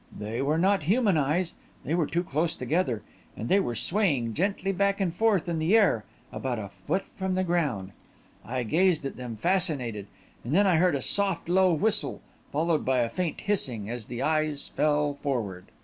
They were not human eyes they were too close together and they were swaying gently back and forth in the air, about a foot from the ground. I gazed at them, fascinated, and then I heard a soft, low whistle, followed by a faint hissing, as the eyes fell forward.